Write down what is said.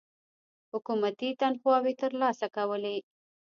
حکومتي تنخواوې تر لاسه کولې.